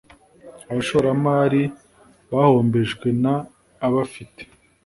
abashoramari bahombejwe n abafite